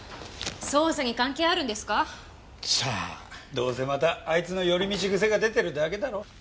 どうせまたあいつの寄り道癖が出てるだけだろ。